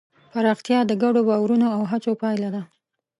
پراختیا د ګډو باورونو او هڅو پایله ده.